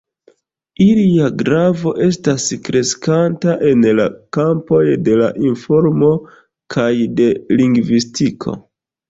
Ilia gravo estas kreskanta en la kampoj de la informo kaj de lingvistiko.